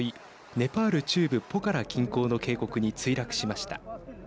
ネパール中部ポカラ近郊の渓谷に墜落しました。